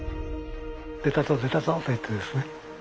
「出たぞ出たぞ」と言ってですね